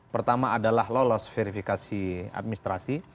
pertama adalah lolos verifikasi administrasi